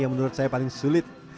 menurut saya paling sulit